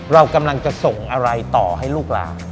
เรากำลังจะส่งอะไรต่อให้ลูกหลาน